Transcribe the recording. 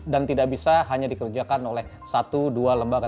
dan tidak bisa hanya dikerjakan oleh satu dua lembaga